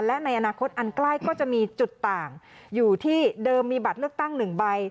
และในอนาคตอันใกล้ก็จะมีจุดต่างอยู่ที่เดิมมีบัตรเลือกตั้ง๑ใบ